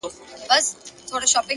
حقیقت تل پاتې وي!.